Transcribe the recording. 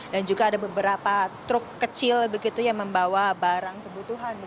dan juga ada beberapa truk kecil begitu yang membawa barang kebutuhan